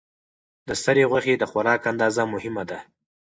د سرې غوښې د خوراک اندازه مهمه ده.